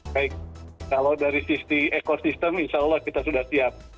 baik kalau dari sisi ekosistem insya allah kita sudah siap